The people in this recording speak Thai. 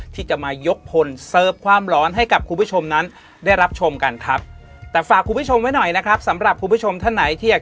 ที่จะมายกพลเสิร์ฟความร้อนให้กับคุณผู้ชมนั้นได้รับชมกันครับแต่ฝากคุณผู้ชมไว้หน่อยนะครับสำหรับคุณผู้ชมท่านไหนที่อยาก